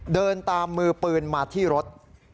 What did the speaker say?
เดินตามมือปืนมาที่รถ